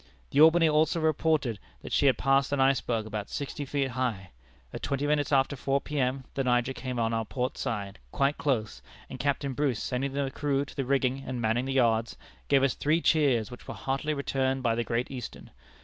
The Albany also reported that she had passed an iceberg about sixty feet high. At twenty minutes after four P.M., the Niger came on our port side, quite close, and Captain Bruce, sending the crew to the rigging and manning the yards, gave us three cheers, which were heartily returned by the Great Eastern.